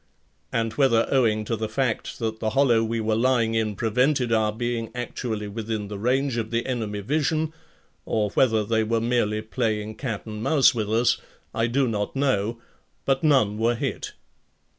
And whether owing to the fact that the hollow we were lying in prevented our being actually within the range of the enemy vision, or whether they were merely playing cat and mouse with us, I do not know, but none were hit.